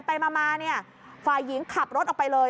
ไปมาเนี่ยฝ่ายหญิงขับรถออกไปเลย